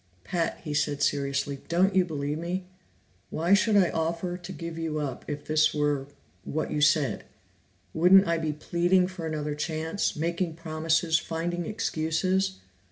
"Pat," he said seriously, "don't you believe me? Why should I offer to give you up if this were what you said? Wouldn't I be pleading for another chance, making promises, finding excuses?"